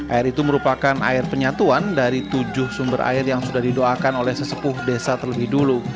air itu merupakan air penyatuan dari tujuh sumber air yang sudah didoakan oleh sesepuh desa terlebih dulu